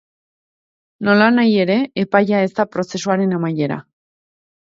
Nolanahi ere, epaia ez da prozesuaren amaiera.